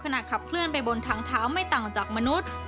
ขับเคลื่อนไปบนทางเท้าไม่ต่างจากมนุษย์